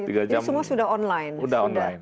itu semua sudah online